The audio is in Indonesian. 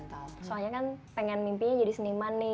karena ingin mimpi menjadi seniman